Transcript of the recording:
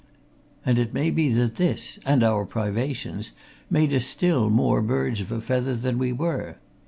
And it may be that this, and our privations, made us still more birds of a feather than we were.